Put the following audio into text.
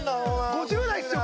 ５０代ですよ